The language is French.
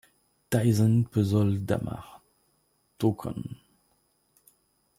Taisen Puzzle-Dama: Tōkon!